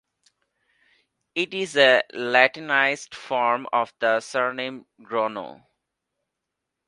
It is a latinised form of the surname Gronow.